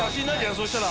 そしたら。